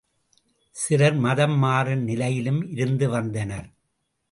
சிலர் மதம் மாறும் நிலையிலும் இருந்து வந்தனர்.